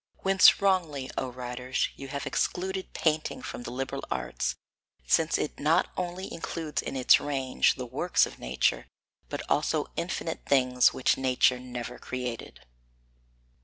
Whence wrongly, O writers, you have excluded painting from the liberal arts, since it not only includes in its range the works of nature, but also infinite things which nature never created.